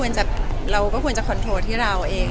เราก็ควรจะคอนโทรที่เราเอง